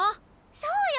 そうよ